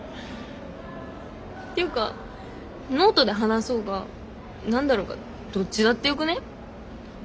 ていうかノートで話そうが何だろうがどっちだってよくね？